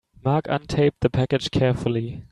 Mark untaped the package carefully.